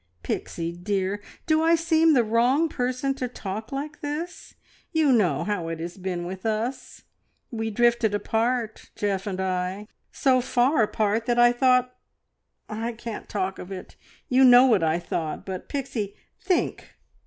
Pixie, dear, do I seem the wrong person to talk like this? You know how it has been with us. We drifted apart Geoff and I so far apart that I thought ... I can't talk of it you know what I thought but, Pixie think!